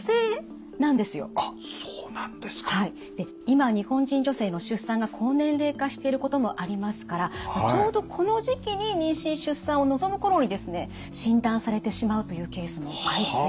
今日本人女性の出産が高年齢化していることもありますからちょうどこの時期に妊娠・出産を望む頃にですね診断されてしまうというケースも相次いでいるんです。